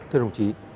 thưa đồng chí